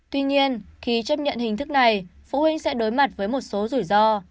tuy nhiên khi chấp nhận hình thức này phụ huynh sẽ đối mặt với một số rủi ro